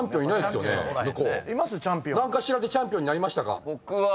何かしらでチャンピオンになりましたか？